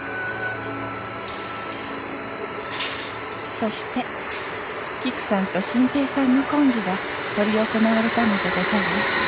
そしてキクさんと心平さんの婚儀が執り行われたのでございます